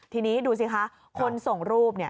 ทีนี้ดูสิคะคนส่งรูป